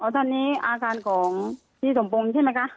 ตอนนี้อาการของพี่สมพงศ์ใช่ไหมคะ